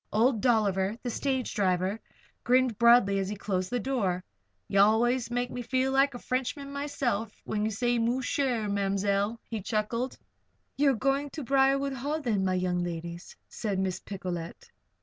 Old Dolliver, the stage driver, grinned broadly as he closed the door. "Ye allus make me feel like a Frenchman myself, when ye say 'moosher,' Ma'mzell," he chuckled. "You are going to Briarwood Hall, then, my young ladies?" said Miss Picolet.